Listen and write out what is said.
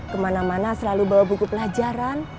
kemana mana selalu bawa buku pelajaran